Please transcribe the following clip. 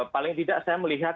paling tidak saya melihat